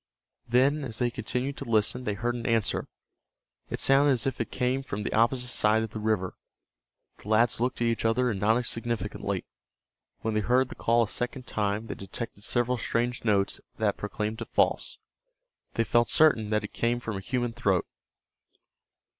Then as they continued to listen they heard an answer. It sounded as if it came from the opposite side of the river. The lads looked at each other and nodded significantly. When they heard the call a second time they detected several strange notes that proclaimed it false. They felt certain that it came from a human throat.